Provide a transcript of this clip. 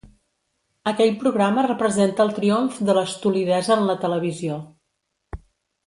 Aquell programa representa el triomf de l'estolidesa en la televisió.